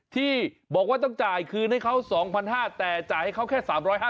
ที่บอกว่าต้องจ่ายคืนให้เขา๒๕๐๐บาทแต่จ่ายให้เขาแค่๓๕๐